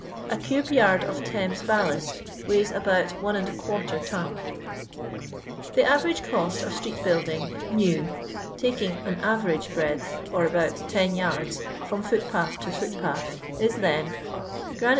A cube yard of Thames ballast weighs about 1^ ton. The average cost of street building, new, taking an ayerage breadth, or about ten yards, from foot path to footpath, is then— Per MUe.